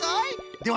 では